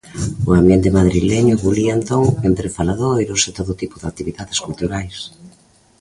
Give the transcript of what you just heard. O ambiente madrileño bulía entón entre faladoiros e todo tipo de actividades culturais.